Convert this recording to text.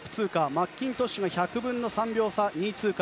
マッキントッシュが１００分の３秒差２位通過。